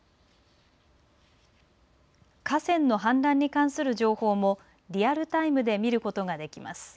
河川の氾濫に関する情報もリアルタイムで見ることができます。